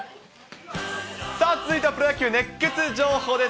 さあ、続いてはプロ野球熱ケツ情報です。